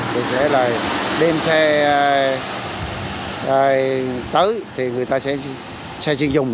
chúng tôi sẽ là đem xe tới thì người ta sẽ xe chuyên dùng